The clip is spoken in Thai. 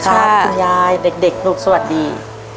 คุณยายเด็กลูกสวัสดี